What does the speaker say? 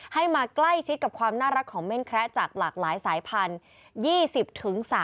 มาใกล้ชิดกับความน่ารักของเม่นแคระจากหลากหลายสายพันธุ์